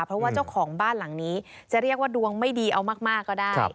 เพราะว่าเจ้าของบ้านหลังนี้จะเรียกว่าดวงไม่ดีเอามากก็ได้